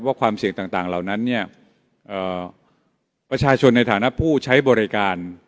ความเสี่ยงต่างเหล่านั้นเนี่ยประชาชนในฐานะผู้ใช้บริการ